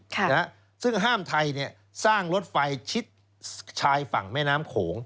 ค่ะนะฮะซึ่งห้ามไทยเนี่ยสร้างรถไฟชิดชายฝั่งแม่น้ำโขง